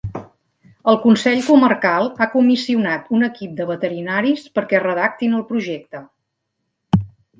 El Consell Comarcal ha comissionat un equip de veterinaris perquè redactin el projecte.